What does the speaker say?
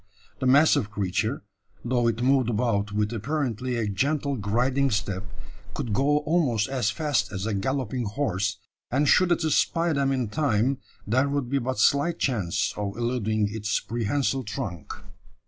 The massive creature, though it moved about with apparently a gentle griding step, could go almost as fast as a galloping horse; and should it espy them in time, there would be but slight chance of eluding its prehensile trunk.